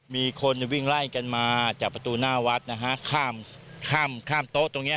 มีคนวิ่งไล่กันมาจากประตูหน้าวัดนะฮะข้ามข้ามข้ามโต๊ะตรงเนี้ย